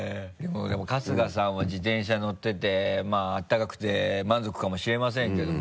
でも春日さんは自転車乗ってて暖かくて満足かもしれませんけども。